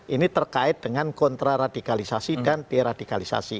ini terkait dengan kontraradikalisasi dan deradikalisasi